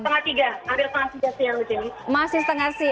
sekarang jam setengah tiga hampir setengah tiga siang